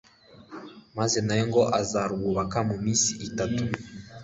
maze nawe ngo uzarwubaka mu minsi itatu!"